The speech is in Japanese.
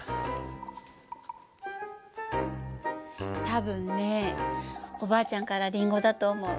多分ねおばあちゃんからりんごだと思う。